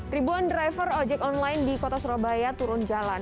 ribuan driver ojek online di kota surabaya turun jalan